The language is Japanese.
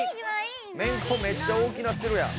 めんこめっちゃ大きなってるやん。